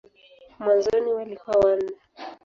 Mwanzoni walikuwa wanne.